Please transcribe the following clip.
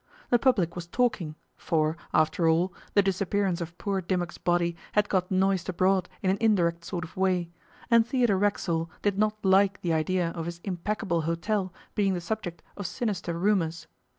The public was talking, for, after all, the disappearance of poor Dimmock's body had got noised abroad in an indirect sort of way, and Theodore Racksole did not like the idea of his impeccable hotel being the subject of sinister rumours.